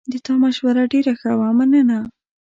د تا مشوره ډېره ښه وه، مننه